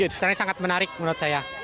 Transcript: acara ini sangat menarik menurut saya